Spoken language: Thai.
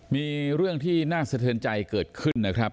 มีเรื่องที่น่าสะเทือนใจเกิดขึ้นนะครับ